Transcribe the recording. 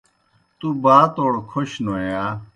تُوْ باتوڑ کھوشنوئے یا؟